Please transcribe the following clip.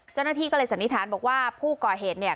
เจ้าหน้าที่ก็เลยสันนิษฐานบอกว่าผู้ก่อเหตุเนี่ย